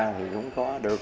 thì cũng có được